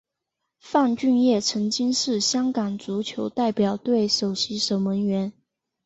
范俊业曾经是香港足球代表队首席守门员。